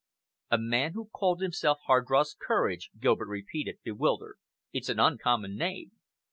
"A man who called himself Hardross Courage," Gilbert repeated, bewildered. "It's an uncommon name."